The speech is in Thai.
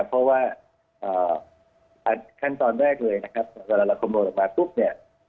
เพราะว่าขั้นตอนแรกเลย